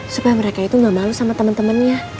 supaya mereka itu nggak malu sama temen temennya